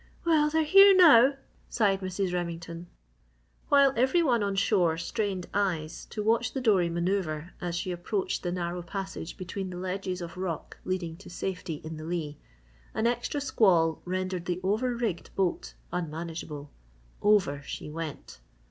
"Well, they're here now," sighed Mrs. Remington. While every one on shore strained eyes to watch the dory manœuvre as she approached the narrow passage between the ledges of rock leading to safety in the lee, an extra squall rendered the over rigged boat unmanageable. Over she went!